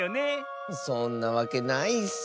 そんなわけないッス！